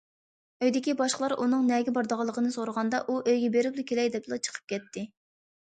ئۆيدىكى باشقىلار ئۇنىڭ نەگە بارىدىغانلىقىنى سورىغاندا، ئۇ:« ئۆيگە بېرىپلا كېلەي» دەپلا چىقىپ كەتتى.